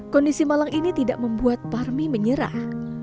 kondisi malang ini tidak membuat parmi menyerah